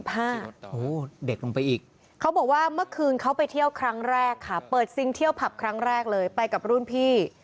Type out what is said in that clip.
โอ้โหเด็กลงไปอีกเขาบอกว่าเมื่อคืนเขาไปเที่ยวครั้งแรกค่ะเปิดซิงเที่ยวผับครั้งแรกเลยไปกับรุ่นพี่